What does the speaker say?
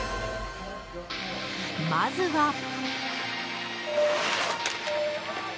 まずは。